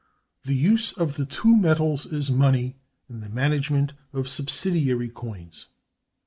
The use of the two metals as money, and the management of Subsidiary Coins.